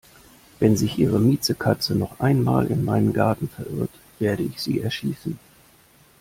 Wenn sich Ihre Miezekatze noch einmal in meinen Garten verirrt, werde ich sie erschießen!